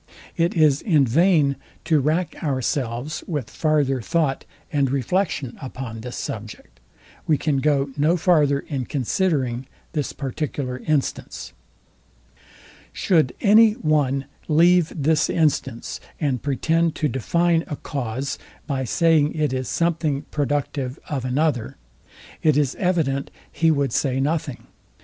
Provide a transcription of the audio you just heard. It is in vain to rack ourselves with farther thought and reflection upon this subject. We can go no farther in considering this particular instance. Should any one leave this instance, and pretend to define a cause, by saying it is something productive of another, it is evident he would say nothing.